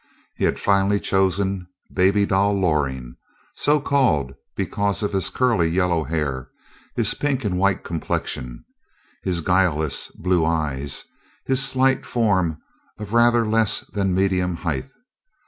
He finally had chosen "Baby Doll" Loring so called because of his curly yellow hair, his pink and white complexion, his guileless blue eyes, his slight form of rather less than medium height.